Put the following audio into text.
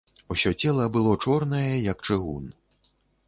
Усё цела было чорнае, як чыгун.